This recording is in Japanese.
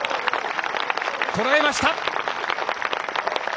とらえました！